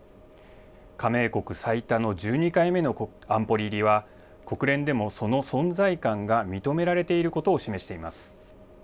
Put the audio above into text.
加盟国最多の１２回目の安保理入りは、国連でもその存在感が認められていることを示しています。